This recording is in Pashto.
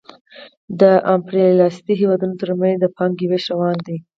د امپریالیستي هېوادونو ترمنځ د پانګې وېش روان دی